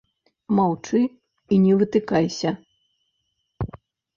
Маўчы і не вытыкайся.